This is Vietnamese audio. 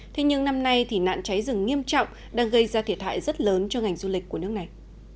thế nhưng năm nay nạn cháy rừng nghiêm trọng đang gây ra thiệt hại rất lớn cho ngành du lịch của nước này